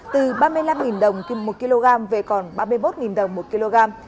từ ba mươi năm đồng một kg về còn ba mươi một đồng một kg